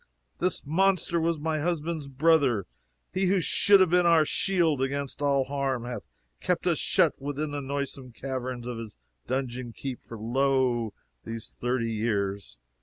This monster was my husband's brother. He who should have been our shield against all harm, hath kept us shut within the noisome caverns of his donjon keep for lo these thirty years.